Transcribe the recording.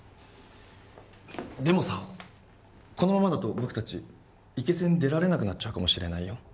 でもさこのままだと僕たちイケセン出られなくなっちゃうかもしれないよ？